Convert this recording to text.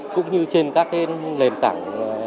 cũng như trên các lền tảng